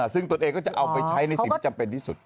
ซึ่งตนเองก็จะเอาไปใช้ในสิ่งที่จำเป็นที่สุด